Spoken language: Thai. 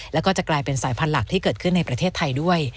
แล้วก็จะกลายเป็นสายพันธุ์หลักที่เกิดขึ้นในประเทศไทยด้วย